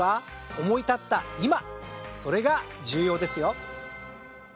それが重要ですよ。